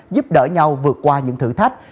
giúp đỡ nhau vượt qua những thử thách